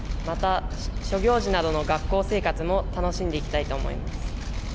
また、諸行事などの学校生活も楽しんでいきたいと思います。